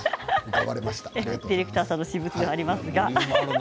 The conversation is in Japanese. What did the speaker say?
ディレクターさんの私物ではありますが。